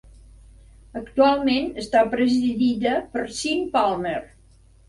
Actualment està presidida per Sean Palmer.